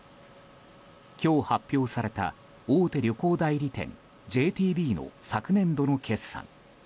今日、発表された大手旅行代理店ＪＴＢの昨年度の決算。